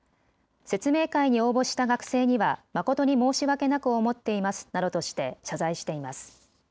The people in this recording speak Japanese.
説明会に応募した学生には誠に申し訳なく思っていますなどとして謝罪しています。